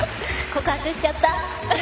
告白しちゃった。